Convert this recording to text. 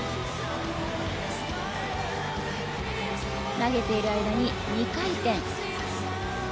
投げている間に２回転。